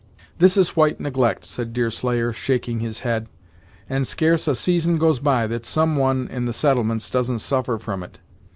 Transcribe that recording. "This is white neglect," said Deerslayer, shaking his head, "and scarce a season goes by that some one in the settlements doesn't suffer from it.